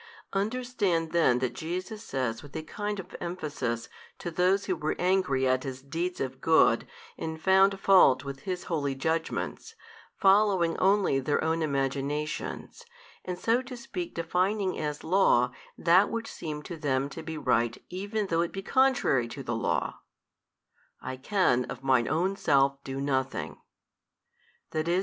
Understand then that Jesus says with a kind of emphasis to those who were angry at His deeds of good and found fault with His holy judgments, following only their own imaginations, and so to speak defining as law that which seemed to them to be right even though it be contrary to the Law: I can of Mine Own Self do nothing, i. e.